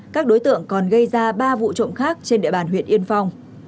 các đối tượng còn gây ra ba vụ trộm khác trên địa bàn huyện yên phong